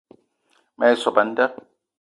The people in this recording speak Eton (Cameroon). Me ye sop a nda